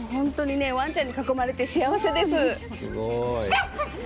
ワンちゃんに囲まれて幸せです。